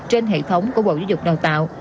trên hệ thống của bộ giáo dục đào tạo